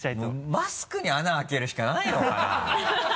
マスクに穴開けるしかないのかなハハハ